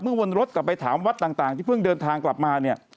วนรถกลับไปถามวัดต่างที่เพิ่งเดินทางกลับมาเนี่ย